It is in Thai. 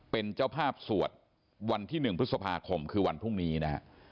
เป็นเจ้าภาพสวดวันที่๑พฤษภาคมคือวันพรุ่งนี้นะฮะ